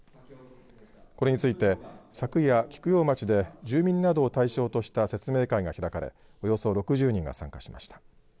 これについて昨夜、菊陽町で住民などを対象とした説明会が開かれおよそ６０人が参加しました。